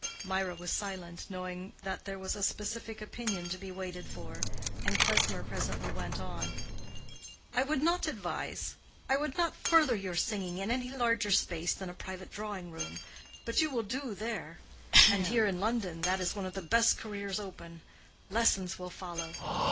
Mirah was silent, knowing that there was a specific opinion to be waited for, and Klesmer presently went on—"I would not advise—I would not further your singing in any larger space than a private drawing room. But you will do there. And here in London that is one of the best careers open. Lessons will follow.